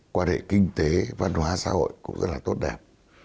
quan hệ kinh tế văn hóa xã hội cũng rất là tốt đẹp